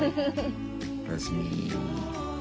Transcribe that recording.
おやすみ。